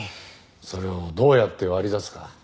それをどうやって割り出すか。